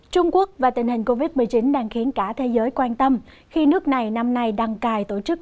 trung quốc và tình hình covid một mươi chín đang khiến cả thế giới quan tâm khi nước này năm nay đăng cài tổ chức